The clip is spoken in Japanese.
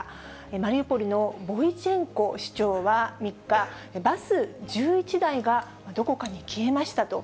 マリウポリのボイチェンコ市長は３日、バス１１台がどこかに消えましたと。